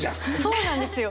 そうなんですよ。